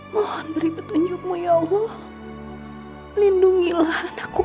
mohon beri petunjukmu ya allah melindungilah anakku elsa